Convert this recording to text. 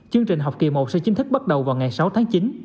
chương trình học kỳ một sẽ chính thức bắt đầu vào ngày sáu tháng chín